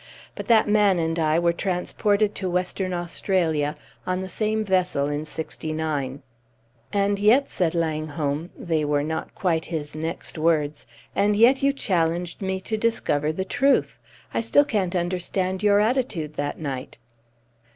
But that man and I were transported to Western Australia on the same vessel in '69." "And yet," said Langholm they were not quite his next words "and yet you challenged me to discover the truth! I still can't understand your attitude that night!"